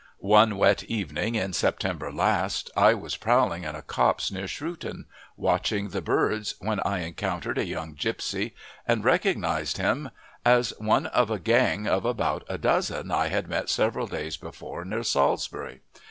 One wet evening in September last I was prowling in a copse near Shrewton, watching the birds, when I encountered a young gipsy and recognized him as one of a gang of about a dozen I had met several days before near Salisbury.